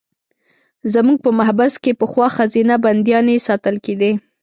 زموږ په محبس کې پخوا ښځینه بندیانې ساتل کېدې.